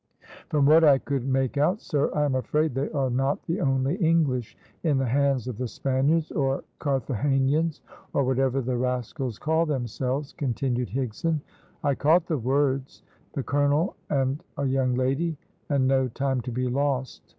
"From what I could make out, sir, I am afraid they are not the only English in the hands of the Spaniards, or Carthagenans, or whatever the rascals call themselves," continued Higson. "I caught the words, `the colonel and a young lady and no time to be lost!'